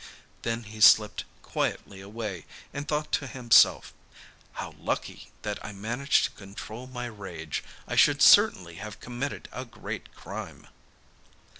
Then he slipped quietly away, and thought to himself, 'How lucky that I managed to control my rage! I should certainly have committed a great crime.